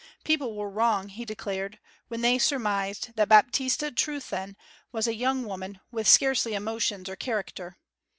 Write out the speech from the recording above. People were wrong, he declared, when they surmised that Baptista Trewthen was a young woman with scarcely emotions or character.